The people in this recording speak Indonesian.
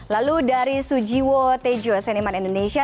lalu dari sujiwo tejo seniman indonesia